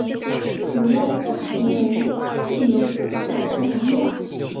主要用途为汽油机的燃料。